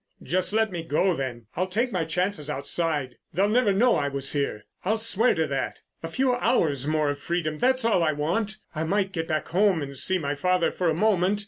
"Just let me go then. I'll take my chance outside. They'll never know I was here, I'll swear to that. A few hours' more freedom—that's all I want. I might get back home and see my father for a moment....